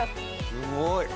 すごい。